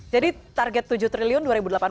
jadi target tujuh triliun dua ribu delapan belas